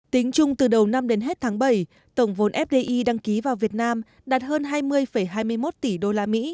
tính chung từ đầu năm đến hết tháng bảy tổng vốn fdi đăng ký vào việt nam đạt hơn hai mươi hai mươi một tỷ usd